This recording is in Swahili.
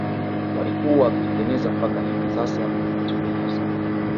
walikuwa wakitengeneza mpaka hivi sasa hutengeneza